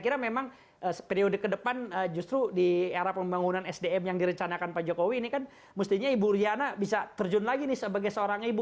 karena memang periode kedepan justru di era pembangunan sdm yang direncanakan pak jokowi ini kan mestinya ibu iriana bisa terjun lagi nih sebagai seorang ibu